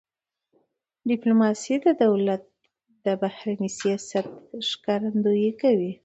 ډيپلوماسي د دولت د بهرني سیاست ښکارندویي کوي.